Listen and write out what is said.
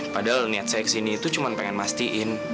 padahal niat saya ke sini itu cuma pengen mastiin